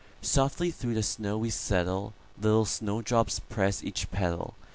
"Softly through the snow we settle, Little snow drops press each petal.